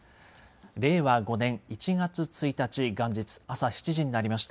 令和５年１月１日元日、朝７時になりました。